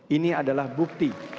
ini adalah bukti